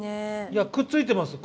いやくっついてます。